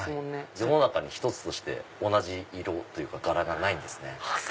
世の中に１つとして同じ色というか柄がないんです。